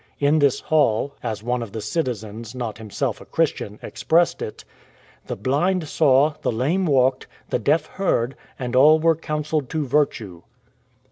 In this hall, as one of the citizens, not himself a Christian, expressed it, " the blind saw, the lame walked, the deaf heard ; and all were counselled to virtue."